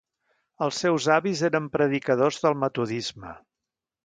Els seus avis eren predicadors del Metodisme.